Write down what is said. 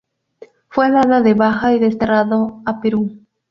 Fue dado de baja y desterrado a Perú.